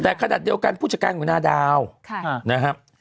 แต่ขณะเดียวกันผู้จัดการของนาดาวนะครับ